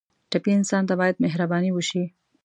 ټپي انسان ته باید مهرباني وشي.